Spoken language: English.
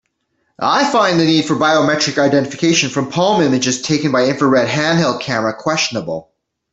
I find the need for biometric identification from palm images taken by infrared handheld camera questionable.